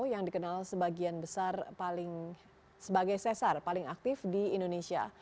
yang dikenal sebagai sesar paling aktif di indonesia